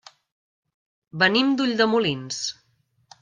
Venim d'Ulldemolins.